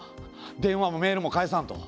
電話もメールも返さんと。